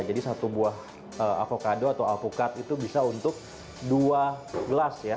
jadi satu buah avokado atau avocad itu bisa untuk dua gelas ya